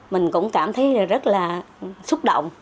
mình cũng cảm thấy rất là xúc động